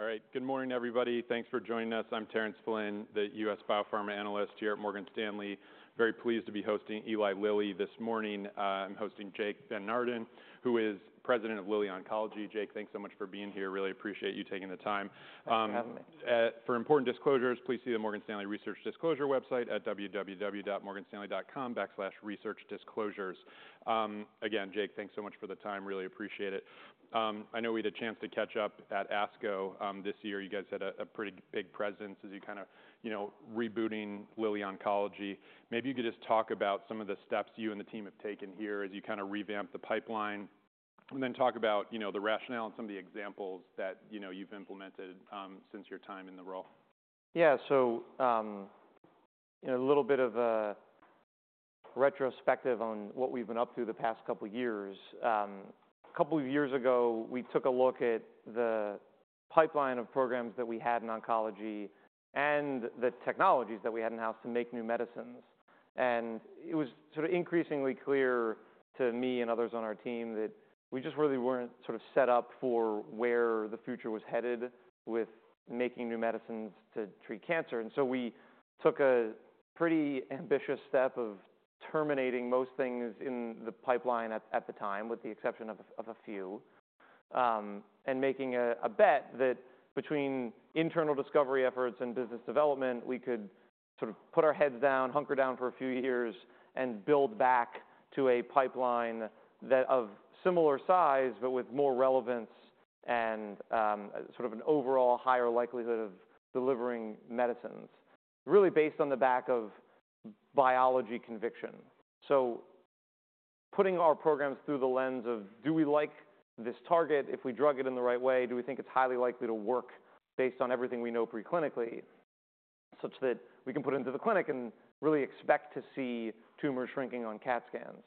All right. Good morning, everybody. Thanks for joining us. I'm Terence Flynn, the US Biopharma analyst here at Morgan Stanley. Very pleased to be hosting Eli Lilly this morning. I'm hosting Jake Van Naarden, who is President of Lilly Oncology. Jake, thanks so much for being here. Really appreciate you taking the time. Thanks for having me. For important disclosures, please see the Morgan Stanley Research Disclosure website at www.morganstanley.com/researchdisclosures. Again, Jake, thanks so much for the time. Really appreciate it. I know we had a chance to catch up at ASCO. This year, you guys had a pretty big presence as you kind of, you know, rebooting Lilly Oncology. Maybe you could just talk about some of the steps you and the team have taken here as you kind of revamp the pipeline, and then talk about, you know, the rationale and some of the examples that, you know, you've implemented, since your time in the role. Yeah. So, you know, a little bit of a retrospective on what we've been up to the past couple of years. A couple of years ago, we took a look at the pipeline of programs that we had in oncology and the technologies that we had in-house to make new medicines. And it was sort of increasingly clear to me and others on our team that we just really weren't sort of set up for where the future was headed with making new medicines to treat cancer. And so we took a pretty ambitious step of terminating most things in the pipeline at the time, with the exception of a few, and making a bet that between internal discovery efforts and business development, we could sort of put our heads down, hunker down for a few years, and build back to a pipeline that of similar size, but with more relevance and sort of an overall higher likelihood of delivering medicines, really based on the back of biology conviction. So putting our programs through the lens of: Do we like this target? If we drug it in the right way, do we think it's highly likely to work based on everything we know pre-clinically, such that we can put it into the clinic and really expect to see tumors shrinking on CAT scans?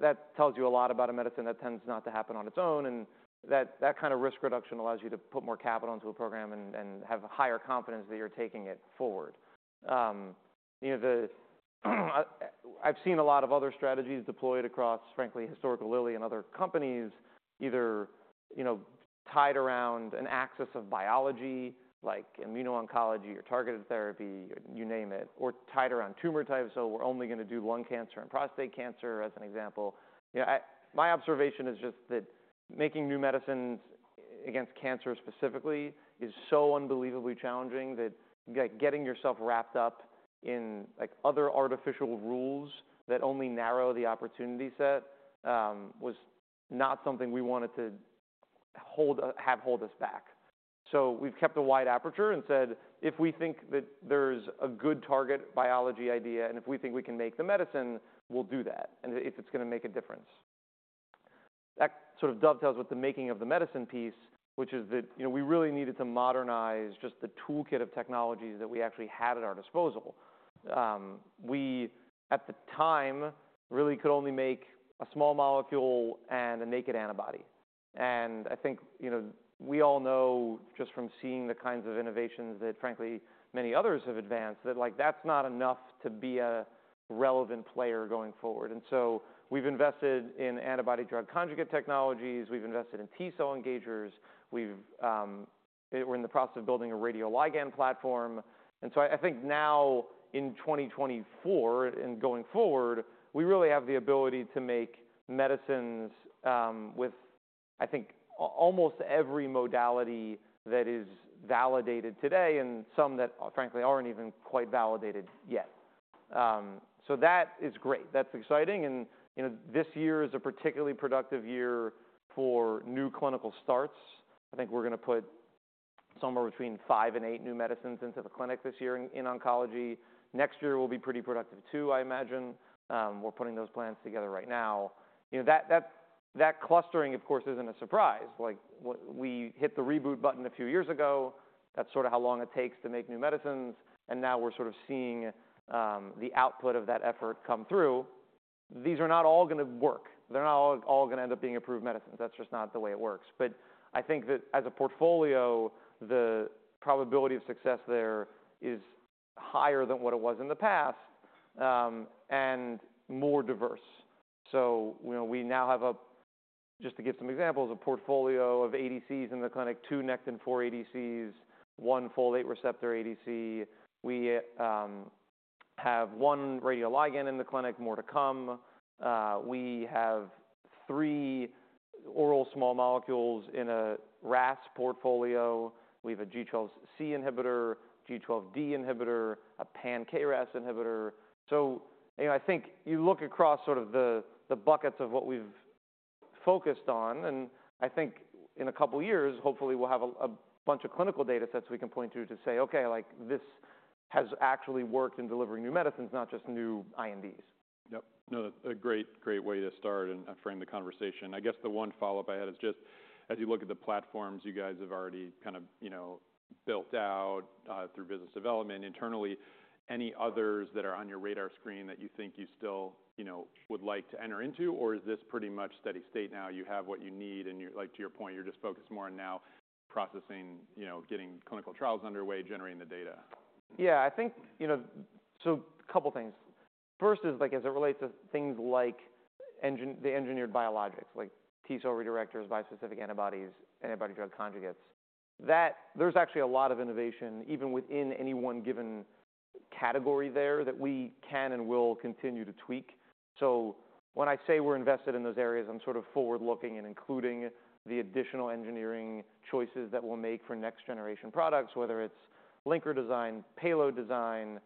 That tells you a lot about a medicine that tends not to happen on its own, and that, that kind of risk reduction allows you to put more capital into a program and, and have a higher confidence that you're taking it forward. You know, I've seen a lot of other strategies deployed across, frankly, historical Lilly and other companies, either, you know, tied around an axis of biology, like immuno-oncology or targeted therapy, you name it, or tied around tumor type, so we're only going to do lung cancer and prostate cancer, as an example. You know, my observation is just that making new medicines against cancer specifically is so unbelievably challenging that, like, getting yourself wrapped up in, like, other artificial rules that only narrow the opportunity set, was not something we wanted to hold us back. So we've kept a wide aperture and said, "If we think that there's a good target biology idea, and if we think we can make the medicine, we'll do that, and if it's gonna make a difference." That sort of dovetails with the making of the medicine piece, which is that, you know, we really needed to modernize just the toolkit of technologies that we actually had at our disposal. We, at the time, really could only make a small molecule and a naked antibody. And I think, you know, we all know just from seeing the kinds of innovations that, frankly, many others have advanced, that, like, that's not enough to be a relevant player going forward. And so we've invested in antibody drug conjugate technologies, we've invested in T cell engagers. We're in the process of building a radioligand platform. And so I think now in 2024 and going forward, we really have the ability to make medicines with, I think, almost every modality that is validated today, and some that, frankly, aren't even quite validated yet. So that is great. That's exciting, and, you know, this year is a particularly productive year for new clinical starts. I think we're gonna put somewhere between five and eight new medicines into the clinic this year in oncology. Next year will be pretty productive, too, I imagine. We're putting those plans together right now. You know, that clustering, of course, isn't a surprise. Like, we hit the reboot button a few years ago. That's sort of how long it takes to make new medicines, and now we're sort of seeing the output of that effort come through. These are not all gonna work. They're not all gonna end up being approved medicines. That's just not the way it works. But I think that as a portfolio, the probability of success there is higher than what it was in the past, and more diverse. So, you know, we now have a, just to give some examples, a portfolio of ADCs in the clinic, two Nectin-4 ADCs, one folate receptor ADC. We have one radioligand in the clinic, more to come. We have three oral small molecules in a KRAS portfolio. We have a G12C inhibitor, G12D inhibitor, a pan KRAS inhibitor. So, you know, I think you look across sort of the buckets of what we've focused on, and I think in a couple of years, hopefully, we'll have a bunch of clinical data sets we can point to, to say, "Okay, like, this has actually worked in delivering new medicines, not just new INDs. Yep. No, that's a great, great way to start and frame the conversation. I guess the one follow-up I had is just as you look at the platforms you guys have already kind of, you know, built out through business development internally, any others that are on your radar screen that you think you still, you know, would like to enter into, or is this pretty much steady state now? You have what you need, and you're like, to your point, you're just focused more on now processing, you know, getting clinical trials underway, generating the data. Yeah, I think, you know, so a couple of things. First is, like, as it relates to things like the engineered biologics, like T-cell redirectors, bispecific antibodies, antibody drug conjugates, that there's actually a lot of innovation, even within any one given category there, that we can and will continue to tweak. So when I say we're invested in those areas, I'm sort of forward-looking and including the additional engineering choices that we'll make for next generation products, whether it's linker design, payload design,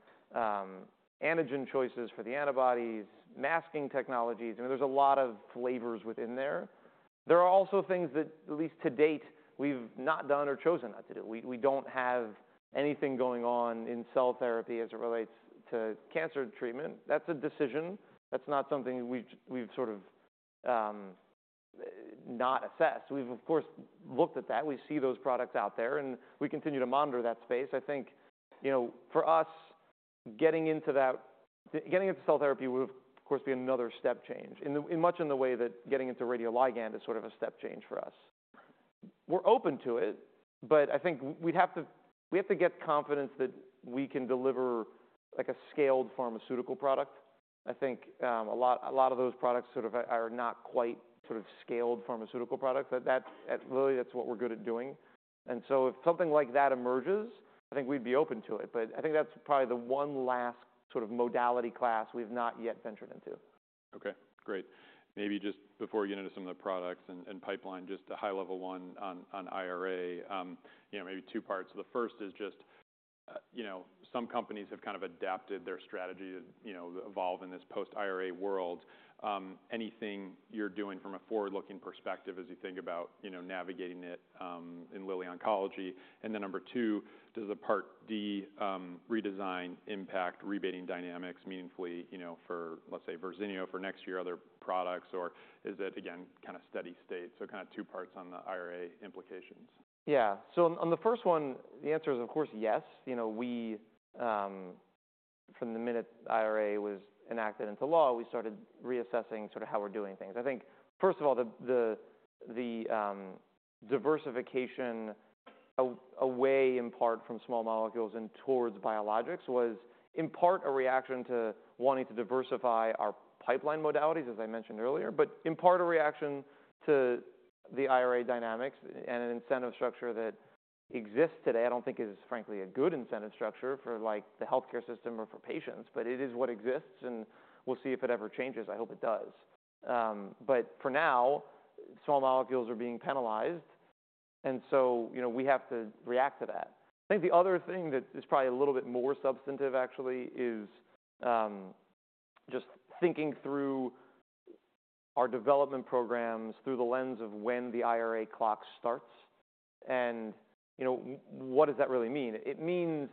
antigen choices for the antibodies, masking technologies. I mean, there's a lot of flavors within there. There are also things that, at least to date, we've not done or chosen not to do. We don't have anything going on in cell therapy as it relates to cancer treatment. That's a decision. That's not something we've sort of not assessed. We've, of course, looked at that. We see those products out there, and we continue to monitor that space. I think, you know, for us, getting into that, getting into cell therapy would, of course, be another step change, in the, much in the way that getting into radioligand is sort of a step change for us. We're open to it, but I think we'd have to. We'd have to get confidence that we can deliver, like, a scaled pharmaceutical product. I think a lot of those products sort of are not quite sort of scaled pharmaceutical products. But that's, at Lilly, that's what we're good at doing. And so if something like that emerges, I think we'd be open to it, but I think that's probably the one last sort of modality class we've not yet ventured into. Okay, great. Maybe just before we get into some of the products and pipeline, just a high level one on IRA, you know, maybe two parts. So the first is just, you know, some companies have kind of adapted their strategy to, you know, evolve in this post-IRA world. Anything you're doing from a forward-looking perspective as you think about, you know, navigating it in Lilly Oncology? And then number two, does the Part D redesign impact rebating dynamics meaningfully, you know, for, let's say, Verzenio, for next year, other products, or is it again, kind of steady state? So kind of two parts on the IRA implications. Yeah. So on the first one, the answer is, of course, yes. You know, we, from the minute IRA was enacted into law, we started reassessing sort of how we're doing things. I think, first of all, the diversification away in part from small molecules and towards biologics was, in part, a reaction to wanting to diversify our pipeline modalities, as I mentioned earlier, but in part, a reaction to the IRA dynamics and an incentive structure that exists today. I don't think it is, frankly, a good incentive structure for, like, the healthcare system or for patients, but it is what exists, and we'll see if it ever changes. I hope it does. But for now, small molecules are being penalized, and so, you know, we have to react to that. I think the other thing that is probably a little bit more substantive, actually, is just thinking through our development programs through the lens of when the IRA clock starts and, you know, what does that really mean? It means,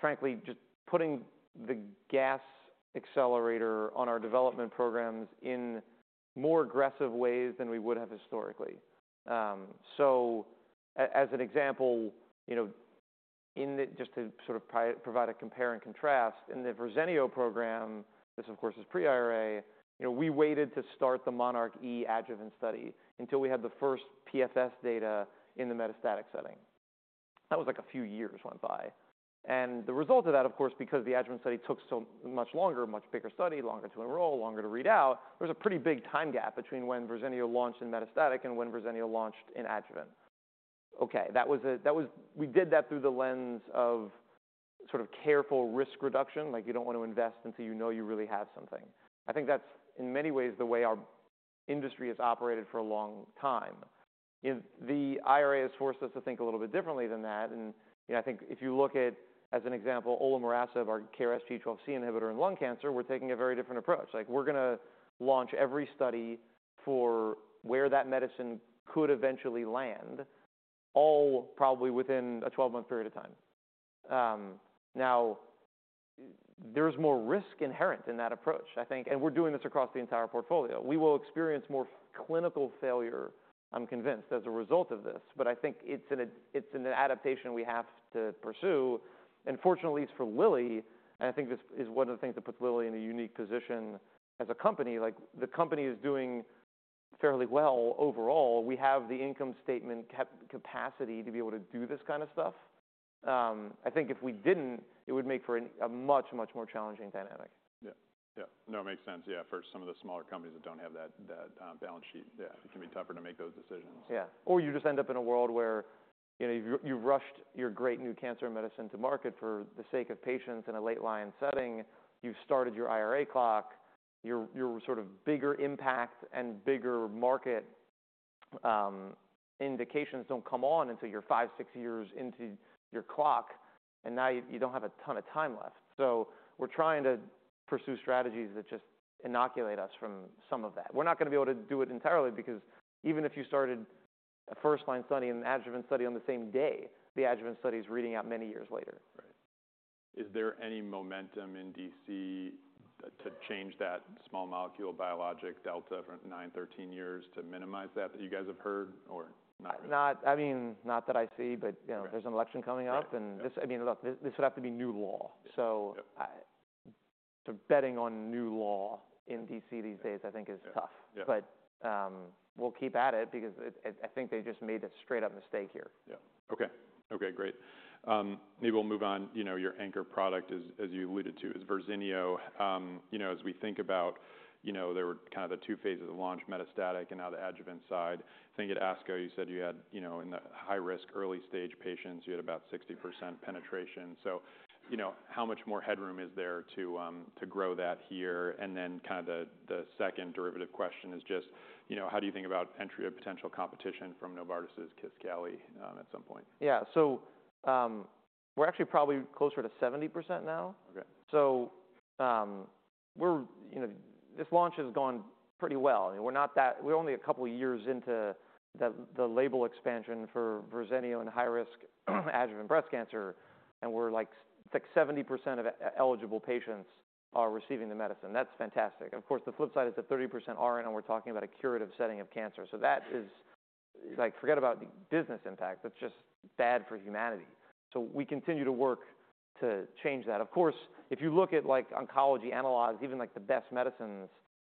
frankly, just putting the gas accelerator on our development programs in more aggressive ways than we would have historically. So as an example, you know, in the... Just to sort of provide a compare and contrast, in the Verzenio program, this, of course, is pre-IRA, you know, we waited to start the monarchE adjuvant study until we had the first PFS data in the metastatic setting. That was like a few years went by, and the result of that, of course, because the adjuvant study took so much longer, a much bigger study, longer to enroll, longer to read out, there was a pretty big time gap between when Verzenio launched in metastatic and when Verzenio launched in adjuvant. Okay, that was. We did that through the lens of sort of careful risk reduction, like, you don't want to invest until you know you really have something. I think that's, in many ways, the way our industry has operated for a long time. The IRA has forced us to think a little bit differently than that, and, you know, I think if you look at, as an example, olomorasib, our KRAS G12C inhibitor in lung cancer, we're taking a very different approach. Like, we're gonna launch every study for where that medicine could eventually land, all probably within a 12-month period of time. Now, there's more risk inherent in that approach, I think, and we're doing this across the entire portfolio. We will experience more clinical failure, I'm convinced, as a result of this, but I think it's an adaptation we have to pursue. Fortunately, for Lilly, and I think this is one of the things that puts Lilly in a unique position as a company, like, the company is doing fairly well overall. We have the income statement capacity to be able to do this kind of stuff. I think if we didn't, it would make for a much, much more challenging dynamic. Yeah. No, it makes sense, yeah, for some of the smaller companies that don't have that balance sheet. Yeah, it can be tougher to make those decisions. Yeah, or you just end up in a world where, you know, you've rushed your great new cancer medicine to market for the sake of patients in a late line setting. You've started your IRA clock, your sort of bigger impact and bigger market indications don't come on until you're five, six years into your clock, and now you don't have a ton of time left. So we're trying to pursue strategies that just inoculate us from some of that. We're not gonna be able to do it entirely, because even if you started a first-line study and an adjuvant study on the same day, the adjuvant study is reading out many years later. Right. Is there any momentum in D.C. to change that small molecule biologic delta from nine-13 years to minimize that, that you guys have heard or not? I mean, not that I see, but, you know- Okay. There's an election coming up. Right, yeah. and this... I mean, look, this would have to be new law. Yeah. So betting on new law in D.C. these days, I think, is tough. Yeah, yeah. But, we'll keep at it because it, I think they just made a straight-up mistake here. Yeah. Okay. Okay, great. Maybe we'll move on. You know, your anchor product as you alluded to is Verzenio. You know, as we think about, you know, there were kind of the two phases of launch, metastatic and now the adjuvant side. I think at ASCO, you said you had, you know, in the high-risk, early-stage patients, you had about 60% penetration. So, you know, how much more headroom is there to grow that here? And then kind of the second derivative question is just, you know, how do you think about entry of potential competition from Novartis' Kisqali at some point? Yeah. So, we're actually probably closer to 70% now. Okay. You know, this launch has gone pretty well. We're only a couple of years into the label expansion for Verzenio in high-risk adjuvant breast cancer, and we're like 70% of eligible patients are receiving the medicine. That's fantastic. Of course, the flip side is that 30% aren't, and we're talking about a curative setting of cancer. So that is like, forget about the business impact, that's just bad for humanity. So we continue to work to change that. Of course, if you look at like oncology analogs, even like the best medicines,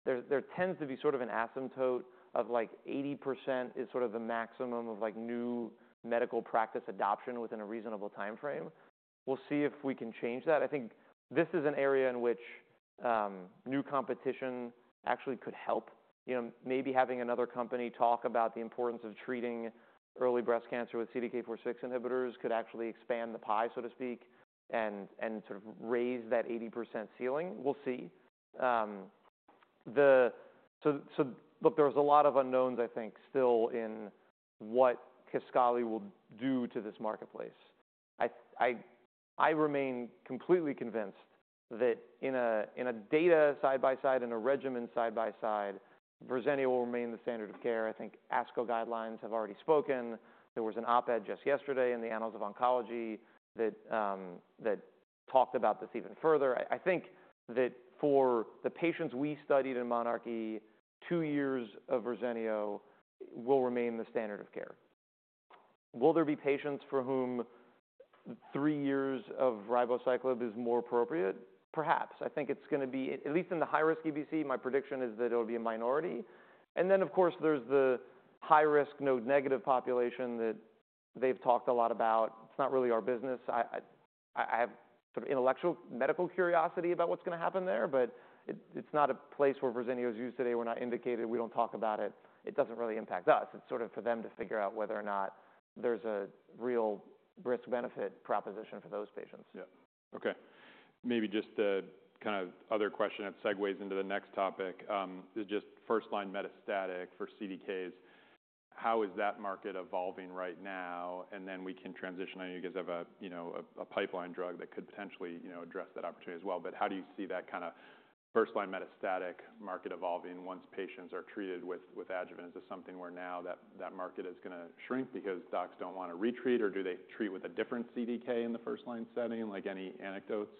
there tends to be sort of an asymptote of like 80% is sort of the maximum of like new medical practice adoption within a reasonable timeframe. We'll see if we can change that. I think this is an area in which new competition actually could help. You know, maybe having another company talk about the importance of treating early breast cancer with CDK4/6 inhibitors could actually expand the pie, so to speak, and, and sort of raise that 80% ceiling. We'll see. Look, there's a lot of unknowns, I think, still in what Kisqali will do to this marketplace. I remain completely convinced that in a data side by side, in a regimen side by side, Verzenio will remain the standard of care. I think ASCO guidelines have already spoken. There was an op-ed just yesterday in the Annals of Oncology that talked about this even further. I think that for the patients we studied in monarchE, two years of Verzenio will remain the standard of care. Will there be patients for whom three years of ribociclib is more appropriate? Perhaps. I think it's gonna be, at least in the high-risk EBC, my prediction is that it'll be a minority. And then, of course, there's the high-risk, node-negative population that they've talked a lot about. It's not really our business. I have sort of intellectual medical curiosity about what's gonna happen there, but it's not a place where Verzenio is used today. We're not indicated, we don't talk about it. It doesn't really impact us. It's sort of for them to figure out whether or not there's a real risk-benefit proposition for those patients. Yeah. Okay. Maybe just to kind of other question that segues into the next topic, is just first-line metastatic for CDKs. How is that market evolving right now? And then we can transition. I know you guys have a, you know, a pipeline drug that could potentially, you know, address that opportunity as well. But how do you see that kind of first-line metastatic market evolving once patients are treated with, with adjuvants? Is something where now that market is gonna shrink because docs don't want to retreat, or do they treat with a different CDK in the first-line setting? Like, any anecdotes?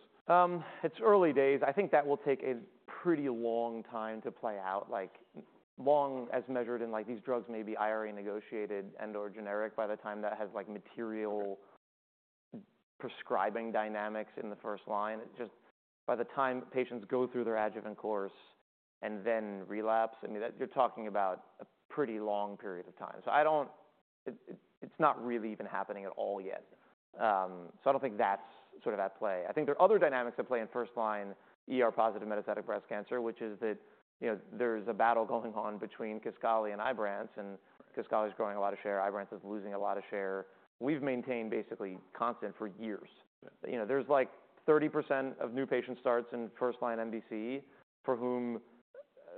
It's early days. I think that will take a pretty long time to play out, like long as measured in, like, these drugs may be IRA negotiated and/or generic by the time that has, like, material prescribing dynamics in the first-line. Just by the time patients go through their adjuvant course and then relapse, I mean, that you're talking about a pretty long period of time. So it's not really even happening at all yet. So I don't think that's sort of at play. I think there are other dynamics at play in first-line, ER-positive metastatic breast cancer, which is that, you know, there's a battle going on between Kisqali and Ibrance, and Kisqali is growing a lot of share, Ibrance is losing a lot of share. We've maintained basically constant for years. You know, there's like 30% of new patient starts in first-line MBC for whom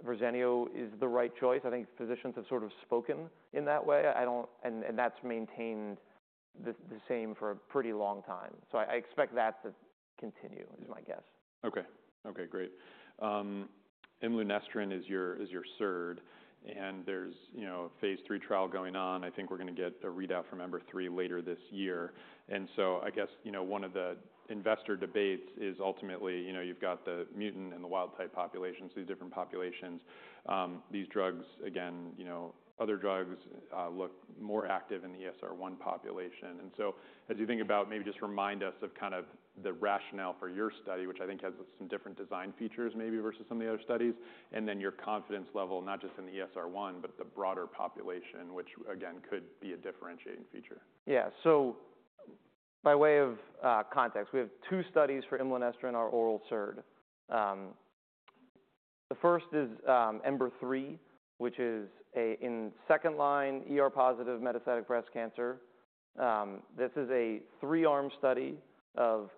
Verzenio is the right choice. I think physicians have sort of spoken in that way. I don't. And that's maintained the same for a pretty long time. So I expect that to continue, is my guess. Okay. Okay, great. imlunestrant is your SERD, and there's, you know, a phase III trial going on. I think we're gonna get a readout from EMBER-3 later this year. And so I guess, you know, one of the investor debates is ultimately, you know, you've got the mutant and the wild type populations, these different populations. These drugs, again, you know, other drugs look more active in the ESR1 population. And so as you think about, maybe just remind us of kind of the rationale for your study, which I think has some different design features maybe versus some of the other studies, and then your confidence level, not just in the ESR1, but the broader population, which again, could be a differentiating feature. Yeah. So by way of context, we have two studies for Imlunestrant, our oral SERD. The first is EMBER-3, which is in second line, ER-positive metastatic breast cancer. This is a three-arm study of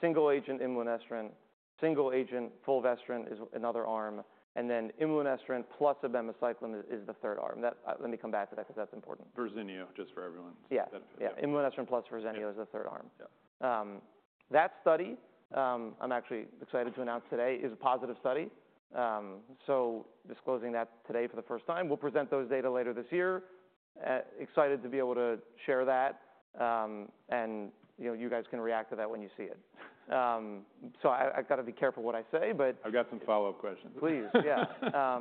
single-agent Imlunestrant, single-agent fulvestrant is another arm, and then Imlunestrant plus abemaciclib is the third arm. That. Let me come back to that because that's important. Verzenio, just for everyone. Yeah. Yeah. Yeah. Imlunestrant plus Verzenio- Yeah... is the third arm. Yeah. That study, I'm actually excited to announce today, is a positive study. So disclosing that today for the first time. We'll present those data later this year. Excited to be able to share that, and, you know, you guys can react to that when you see it. So I've got to be careful what I say, but- I've got some follow-up questions. Please. Yeah.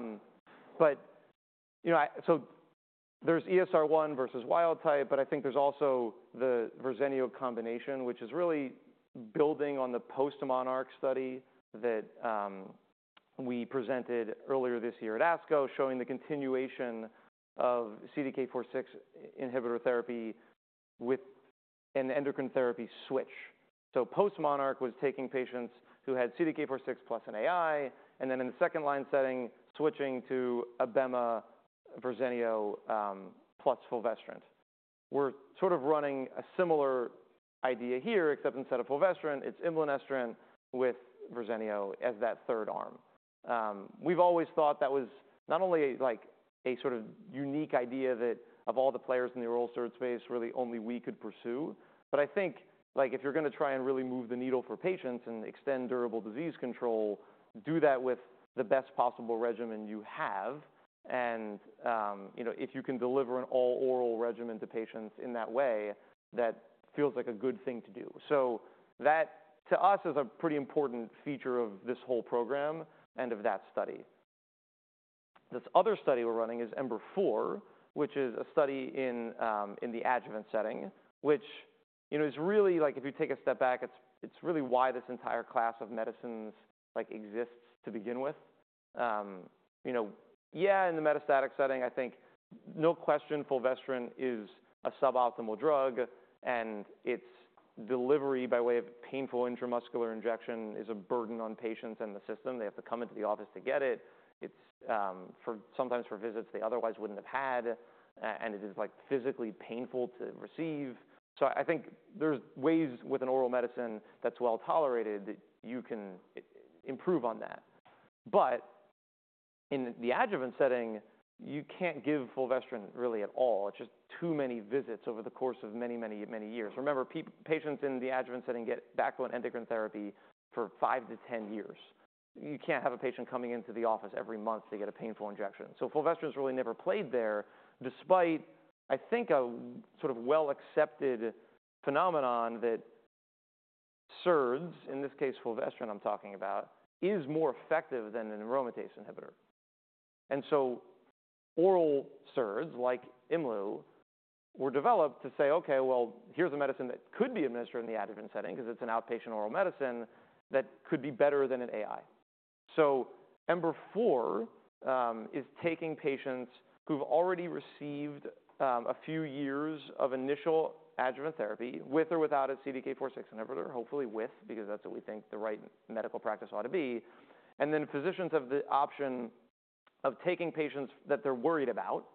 You know, I, so there's ESR1 versus wild type, but I think there's also the Verzenio combination, which is really building on the postMONARCH study that we presented earlier this year at ASCO, showing the continuation of CDK4/6 inhibitor therapy with an endocrine therapy switch. So postMONARCH was taking patients who had CDK4/6 plus an AI, and then in the second-line setting, switching to Abema, Verzenio plus Fulvestrant. We're sort of running a similar idea here, except instead of Fulvestrant, it's imlunestrant with Verzenio as that third arm. We've always thought that was not only like, a sort of unique idea, that of all the players in the oral SERD space, really only we could pursue, but I think, like, if you're gonna try and really move the needle for patients and extend durable disease control, do that with the best possible regimen you have, and you know, if you can deliver an all-oral regimen to patients in that way, that feels like a good thing to do, so that, to us, is a pretty important feature of this whole program and of that study. This other study we're running is Ember4, which is a study in the adjuvant setting, which you know is really like if you take a step back, it's really why this entire class of medicines, like, exists to begin with. You know, yeah, in the metastatic setting, I think no question, Fulvestrant is a suboptimal drug, and its delivery by way of painful intramuscular injection is a burden on patients and the system. They have to come into the office to get it. It's for sometimes for visits they otherwise wouldn't have had, and it is, like, physically painful to receive. So I think there's ways with an oral medicine that's well-tolerated, that you can improve on that. But in the adjuvant setting, you can't give Fulvestrant really at all. It's just too many visits over the course of many, many, many years. Remember, patients in the adjuvant setting get backbone endocrine therapy for five to 10 years. You can't have a patient coming into the office every month to get a painful injection. So fulvestrant's really never played there, despite, I think, a sort of well-accepted phenomenon, that SERDs, in this case, fulvestrant I'm talking about, is more effective than an aromatase inhibitor. And so oral SERDs, like Imlu, were developed to say, "Okay, well, here's a medicine that could be administered in the adjuvant setting because it's an outpatient oral medicine that could be better than an AI." So EMBER-4 is taking patients who've already received a few years of initial adjuvant therapy, with or without a CDK4/6 inhibitor, hopefully with, because that's what we think the right medical practice ought to be. And then physicians have the option of taking patients that they're worried about,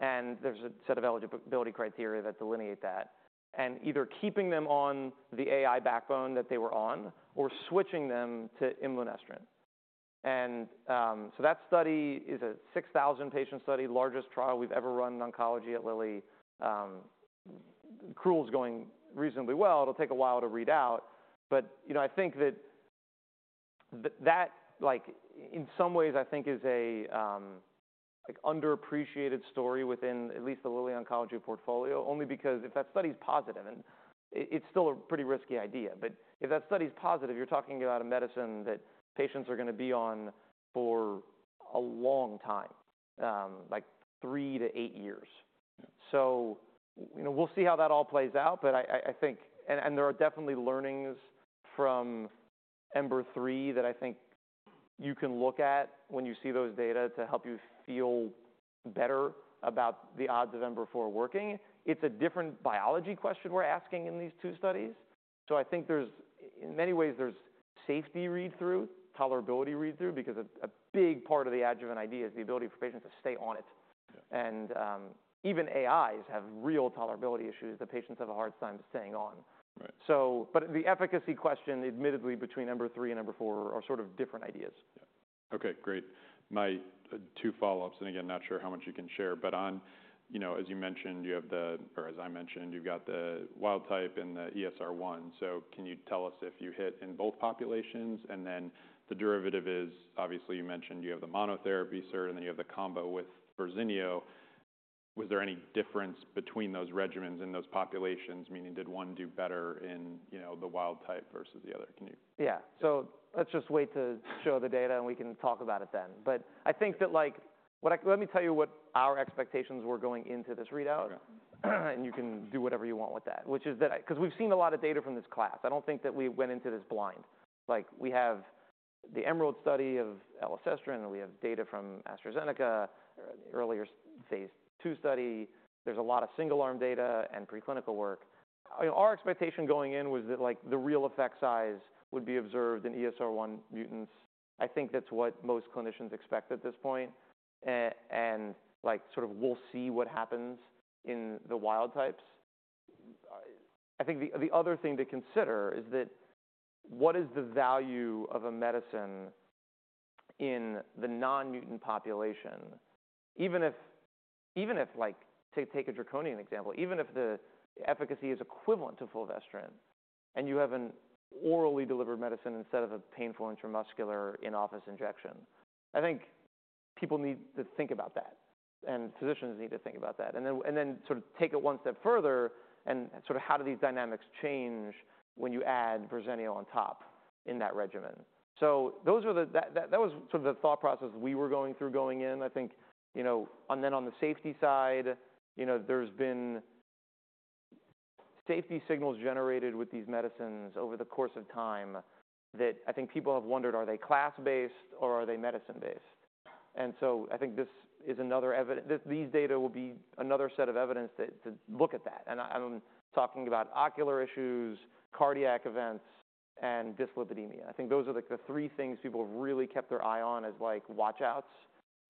and there's a set of eligibility criteria that delineate that, and either keeping them on the AI backbone that they were on or switching them to imlunestrant. That study is a 6,000 patient study, the largest trial we've ever run in oncology at Lilly. Accrual is going reasonably well. It'll take a while to read out, but you know, I think that that, like, in some ways, I think, is a like, underappreciated story within at least the Lilly oncology portfolio, only because if that study's positive, and it, it's still a pretty risky idea, but if that study's positive, you're talking about a medicine that patients are gonna be on for a long time, like three to eight years. You know, we'll see how that all plays out, but I think, and there are definitely learnings from EMBER-3 that I think you can look at when you see those data to help you feel better about the odds of EMBER-4 working. It's a different biology question we're asking in these two studies, so I think there's... In many ways, there's safety read-through, tolerability read-through, because a big part of the adjuvant idea is the ability for patients to stay on it. Yeah. Even AIs have real tolerability issues that patients have a hard time staying on. Right. But the efficacy question, admittedly, between EMBER-3 and EMBER-4, are sort of different ideas. Yeah. Okay, great. My two follow-ups, and again, not sure how much you can share, but on... You know, or as I mentioned, you've got the wild type and the ESR1, so can you tell us if you hit in both populations? And then the derivative is, obviously, you mentioned you have the monotherapy SERD, and then you have the combo with Verzenio. Was there any difference between those regimens and those populations? Meaning, did one do better in, you know, the wild type versus the other? Can you- Yeah. So let's just wait to show the data, and we can talk about it then. But I think that, like, what I-- Let me tell you what our expectations were going into this readout- Yeah... and you can do whatever you want with that. Which is that, 'cause we've seen a lot of data from this class. I don't think that we went into this blind. Like, we have the EMERALD study of elacestrant, and we have data from AstraZeneca, the earlier phase II study. There's a lot of single-arm data and preclinical work. I mean, our expectation going in was that, like, the real effect size would be observed in ESR1 mutants. I think that's what most clinicians expect at this point, and, like, sort of we'll see what happens in the wild types. I think the other thing to consider is that, what is the value of a medicine in the non-mutant population? Even if, like... Take a draconian example, even if the efficacy is equivalent to Fulvestrant, and you have an orally delivered medicine instead of a painful intramuscular in-office injection. I think people need to think about that, and physicians need to think about that. And then sort of take it one step further, and sort of how do these dynamics change when you add Verzenio on top in that regimen? So those were the that was sort of the thought process we were going through going in. I think, you know, and then on the safety side, you know, there's been safety signals generated with these medicines over the course of time, that I think people have wondered, are they class-based or are they medicine-based? And so I think these data will be another set of evidence to look at that. I'm talking about ocular issues, cardiac events, and dyslipidemia. I think those are, like, the three things people have really kept their eye on as, like, watch-outs,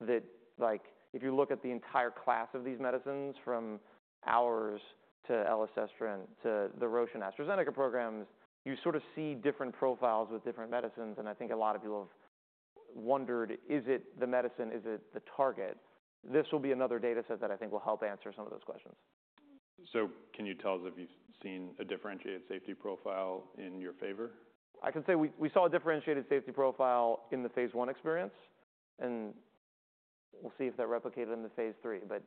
that, like, if you look at the entire class of these medicines, from ours to Elacestrant, to the Roche and AstraZeneca programs, you sort of see different profiles with different medicines. I think a lot of people have wondered: "Is it the medicine? Is it the target?" This will be another data set that I think will help answer some of those questions. Can you tell us if you've seen a differentiated safety profile in your favor? I can say we saw a differentiated safety profile in the phase I experience, and we'll see if that replicated in the phase III. But,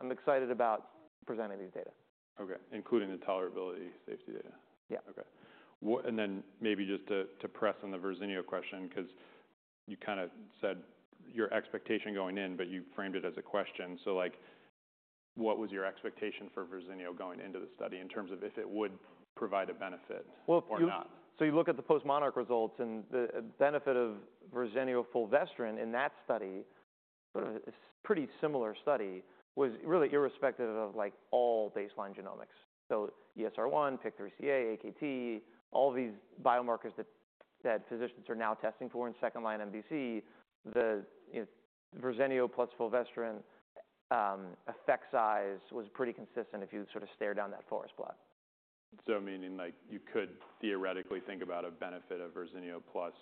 I'm excited about presenting these data. Okay, including the tolerability safety data? Yeah. Okay. And then maybe just to press on the Verzenio question, 'cause you kinda said your expectation going in, but you framed it as a question. So, like, what was your expectation for Verzenio going into the study in terms of if it would provide a benefit- If you- or not? You look at the postMONARCH results, and the benefit of Verzenio fulvestrant in that study, a pretty similar study, was really irrespective of, like, all baseline genomics. ESR1, PIK3CA, AKT, all these biomarkers that physicians are now testing for in second-line MBC, the, you know, Verzenio plus fulvestrant effect size was pretty consistent if you sort of stared down that forest plot. Meaning, like, you could theoretically think about a benefit of Verzenio plus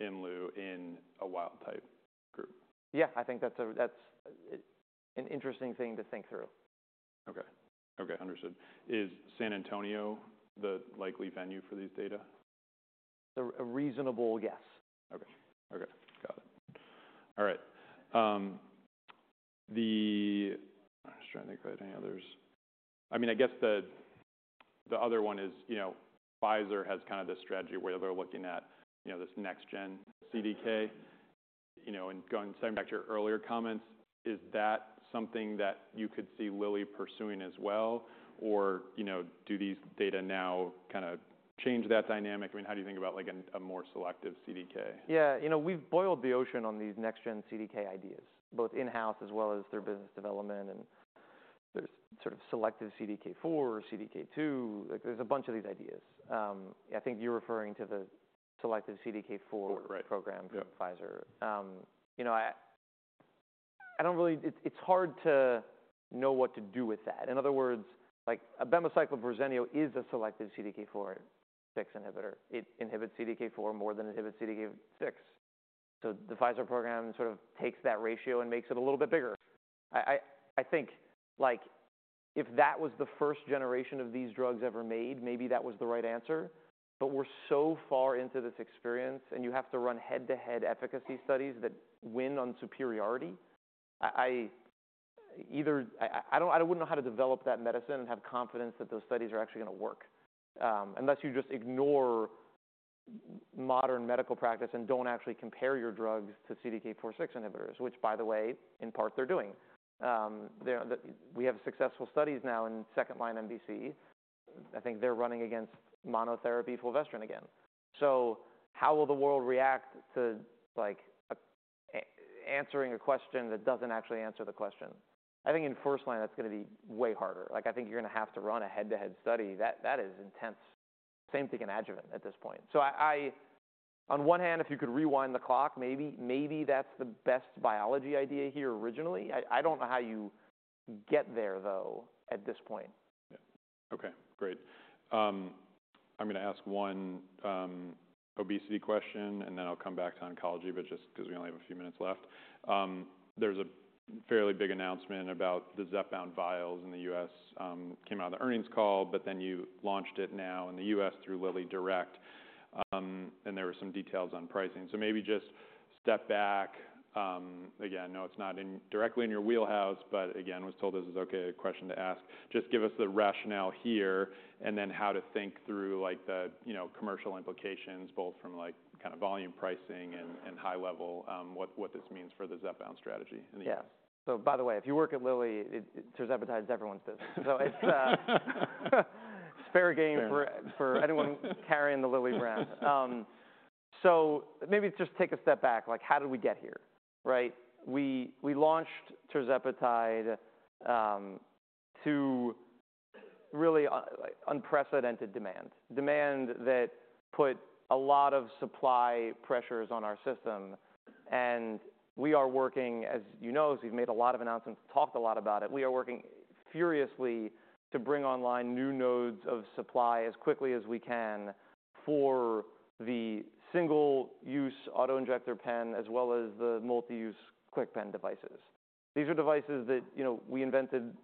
Imlunestrant in a wild-type group? Yeah, I think that's an interesting thing to think through. Okay. Okay, understood. Is San Antonio the likely venue for these data? A reasonable yes. Okay. Okay, got it. All right, I'm just trying to think if I had any others. I mean, I guess the other one is, you know, Pfizer has kind of this strategy where they're looking at, you know, this next gen CDK, you know, and going back to your earlier comments, is that something that you could see Lilly pursuing as well? Or, you know, do these data now kinda change that dynamic? I mean, how do you think about, like, a more selective CDK? Yeah, you know, we've boiled the ocean on these next gen CDK ideas, both in-house as well as through business development, and there's sort of selective CDK4, CDK2, like, there's a bunch of these ideas. I think you're referring to the selective CDK4- Four, right - program- Yeah... from Pfizer. You know, I don't really. It's hard to know what to do with that. In other words, like, abemaciclib Verzenio is a selective CDK4/6 inhibitor. It inhibits CDK4 more than it inhibits CDK6. So the Pfizer program sort of takes that ratio and makes it a little bit bigger. I think, like, if that was the first generation of these drugs ever made, maybe that was the right answer, but we're so far into this experience, and you have to run head-to-head efficacy studies that win on superiority. Either I don't... I wouldn't know how to develop that medicine and have confidence that those studies are actually gonna work, unless you just ignore modern medical practice and don't actually compare your drugs to CDK4/6 inhibitors, which, by the way, in part, they're doing. We have successful studies now in second-line MBC. I think they're running against monotherapy fulvestrant again. So how will the world react to, like, a answering a question that doesn't actually answer the question? I think in first line, that's gonna be way harder. Like, I think you're gonna have to run a head-to-head study. That is intense. Same thing in adjuvant at this point. So I, on one hand, if you could rewind the clock, maybe that's the best biology idea here originally. I don't know how you get there, though, at this point. Yeah. Okay, great. I'm gonna ask one obesity question, and then I'll come back to oncology, but just 'cause we only have a few minutes left. There's a fairly big announcement about the Zepbound vials in the US that came out of the earnings call, but then you launched it now in the US through LillyDirect, and there were some details on pricing. So maybe just step back, again, I know it's not directly in your wheelhouse, but again, was told this is okay, a question to ask. Just give us the rationale here, and then how to think through, like, the, you know, commercial implications, both from, like, kind of volume pricing and- Mm-hmm... and high level, what this means for the Zepbound strategy in the U.S. Yeah. So by the way, if you work at Lilly, it, tirzepatide is everyone's business. So it's fair game for- Fair... for anyone carrying the Lilly brand. So maybe just take a step back, like, how did we get here, right? We, we launched tirzepatide, to really like, unprecedented demand, demand that put a lot of supply pressures on our system, and we are working, as you know, as we've made a lot of announcements, talked a lot about it, we are working furiously to bring online new nodes of supply as quickly as we can for the single-use auto-injector pen, as well as the multi-use KwikPen devices. These are devices that, you know, we invented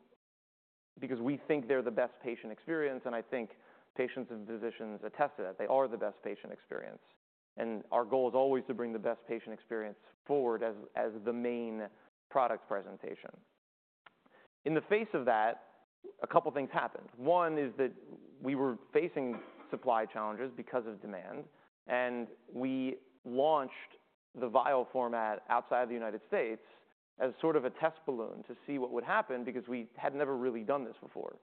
because we think they're the best patient experience, and I think patients and physicians attest to that. They are the best patient experience, and our goal is always to bring the best patient experience forward as the main product presentation. In the face of that, a couple things happened. One is that we were facing supply challenges because of demand, and we launched the vial format outside the United States as sort of a test balloon to see what would happen, because we had never really done this before.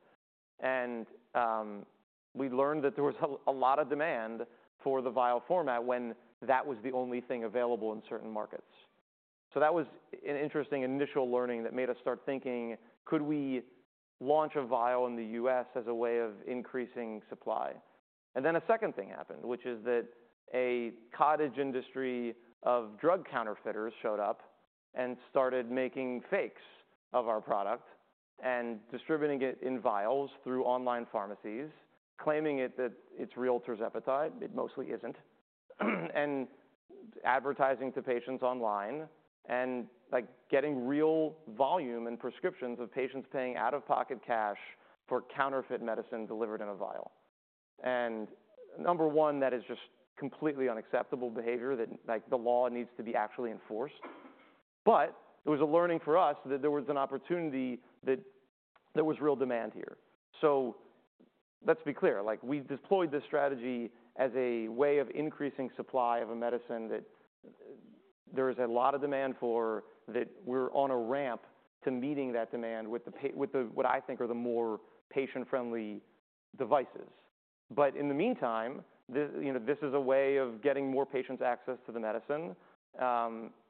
And we learned that there was a lot of demand for the vial format when that was the only thing available in certain markets. So that was an interesting initial learning that made us start thinking, could we launch a vial in the U.S. as a way of increasing supply? And then a second thing happened, which is that a cottage industry of drug counterfeiters showed up and started making fakes of our product and distributing it in vials through online pharmacies, claiming it, that it's real tirzepatide. It mostly isn't. Advertising to patients online and, like, getting real volume and prescriptions of patients paying out-of-pocket cash for counterfeit medicine delivered in a vial. Number one, that is just completely unacceptable behavior that, like, the law needs to be actually enforced. But it was a learning for us that there was an opportunity, that there was real demand here. So let's be clear, like, we've deployed this strategy as a way of increasing supply of a medicine that there is a lot of demand for, that we're on a ramp to meeting that demand with the, what I think are the more patient-friendly devices. But in the meantime, this, you know, this is a way of getting more patients access to the medicine,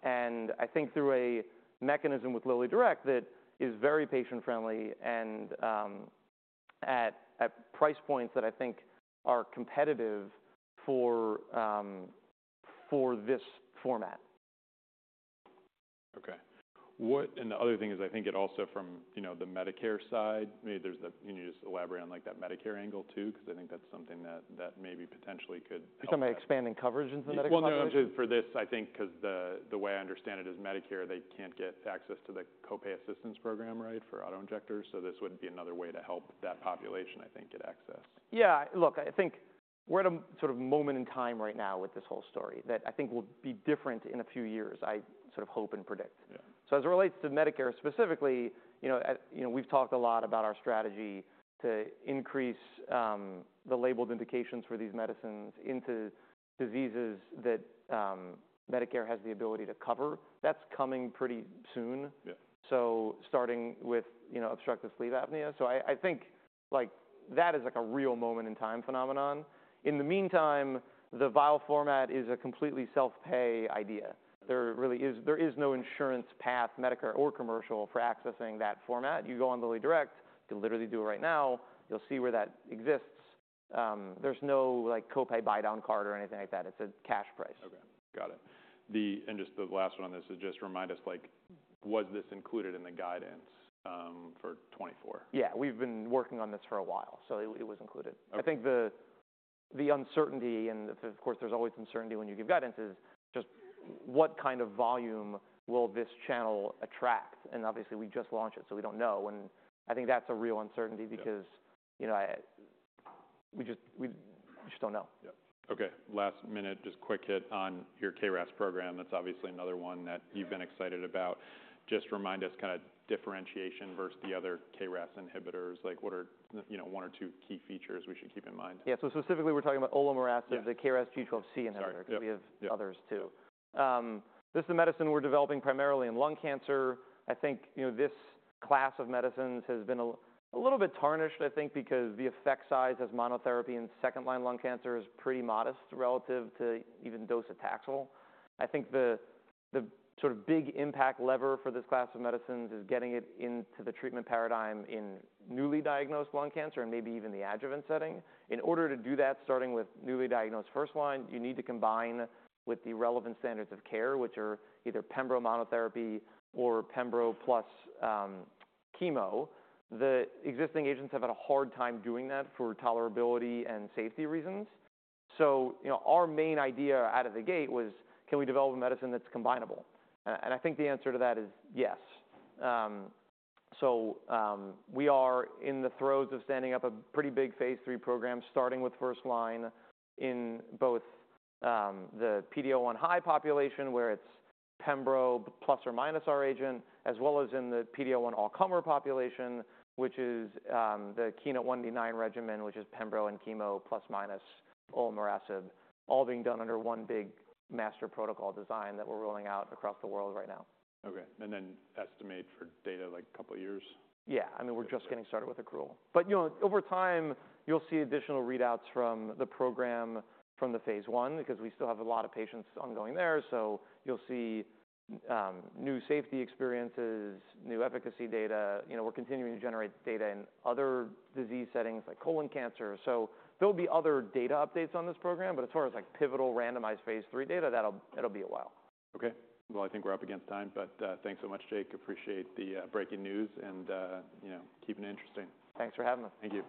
and I think through a mechanism with LillyDirect that is very patient-friendly and, at price points that I think are competitive for this format. Okay, and the other thing is, I think it also from, you know, the Medicare side, maybe there's a- can you just elaborate on, like, that Medicare angle too? 'Cause I think that's something that maybe potentially could help- You talking about expanding coverage into the Medicare? No, just for this, I think, 'cause the way I understand it is Medicare, they can't get access to the co-pay assistance program, right, for auto injectors, so this would be another way to help that population, I think, get access. Yeah. Look, I think we're at a sort of moment in time right now with this whole story, that I think will be different in a few years. I sort of hope and predict. Yeah. So as it relates to Medicare, specifically, you know, you know, we've talked a lot about our strategy to increase the labeled indications for these medicines into diseases that Medicare has the ability to cover. That's coming pretty soon. Yeah. Starting with, you know, obstructive sleep apnea. I think, like, that is, like, a real moment-in-time phenomenon. In the meantime, the vial format is a completely self-pay idea. There really is no insurance path, Medicare or commercial, for accessing that format. You go on LillyDirect, you can literally do it right now, you'll see where that exists. There's no, like, co-pay buy-down card or anything like that. It's a cash price. Okay. Got it. The... And just the last one on this is, just remind us, like, was this included in the guidance for 2024? Yeah. We've been working on this for a while, so it was included. Okay. I think the uncertainty, and of course, there's always uncertainty when you give guidance, is just what kind of volume will this channel attract? And obviously, we just launched it, so we don't know. And I think that's a real uncertainty- Yeah... because, you know, we just don't know. Yeah. Okay, last minute, just quick hit on your KRAS program. That's obviously another one that you've been excited about. Just remind us, kind of, differentiation versus the other KRAS inhibitors. Like, what are, you know, one or two key features we should keep in mind? Yeah. So specifically, we're talking about Olomorasib- Yeah... the KRAS G12C inhibitor- Sorry, yep... because we have others, too. Yeah. This is the medicine we're developing primarily in lung cancer. I think, you know, this class of medicines has been a little bit tarnished, I think, because the effect size as monotherapy in second-line lung cancer is pretty modest relative to even docetaxel. I think the sort of big impact lever for this class of medicines is getting it into the treatment paradigm in newly diagnosed lung cancer, and maybe even the adjuvant setting. In order to do that, starting with newly diagnosed first line, you need to combine with the relevant standards of care, which are either pembro monotherapy or pembro plus chemo. The existing agents have had a hard time doing that for tolerability and safety reasons. So, you know, our main idea out of the gate was: Can we develop a medicine that's combinable? And I think the answer to that is yes. So, we are in the throes of standing up a pretty big phase III program, starting with first line in both, the PD-L1 high population, where it's pembro plus or minus our agent, as well as in the PD-L1 all-comer population, which is the KEYNOTE-189 regimen, which is pembro and chemo plus minus Olomorasib, all being done under one big master protocol design that we're rolling out across the world right now. Okay. And then estimate for data, like, a couple of years? Yeah. I mean, we're just getting started with accrual. But, you know, over time, you'll see additional readouts from the program, from the phase I, because we still have a lot of patients ongoing there. So you'll see new safety experiences, new efficacy data. You know, we're continuing to generate data in other disease settings, like colon cancer. So there'll be other data updates on this program, but as far as, like, pivotal, randomized phase III data, that'll be a while. Okay. Well, I think we're up against time, but, thanks so much, Jake. Appreciate the breaking news and, you know, keeping it interesting. Thanks for having me. Thank you.